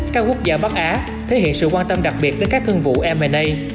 các quốc gia bắc á thể hiện sự quan tâm đặc biệt đến các thương vụ m a